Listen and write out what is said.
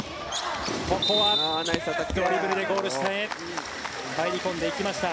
ここはドリブルでゴールして入り込んでいきました。